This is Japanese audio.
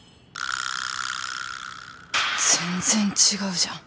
全然違うじゃん。